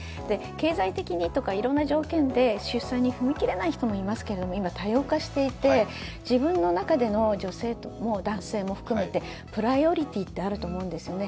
経済的にとか、いろいろな条件で出産に踏み切れない人もいますけれども、今多様化していて、自分の中での、女性も男性も含めて、プライオリティーってあると思うんですよね。